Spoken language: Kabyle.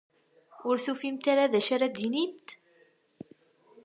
Ur tufimt ara d acu ara d-tinimt?